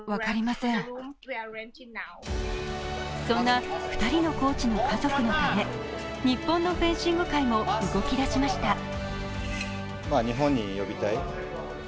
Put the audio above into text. そんな２人のコーチの家族のため日本のフェンシング界も動きだしました。